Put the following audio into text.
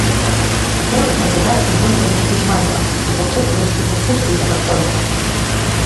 Урҭ маӡажәак еибырҳәоит быжь маҷла, ихәыҭхәыҭуеит, ихәыҭхәыҭуеит акы рҳәоит.